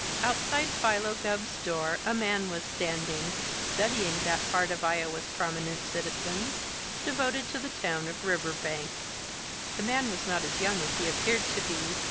Outside Philo Gubb's door a man was standing, studying that part of "Iowa's Prominent Citizens" devoted to the town of Riverbank. The man was not as young as he appeared to be.